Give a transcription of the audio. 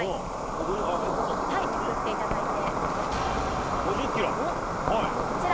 めくっていただいて。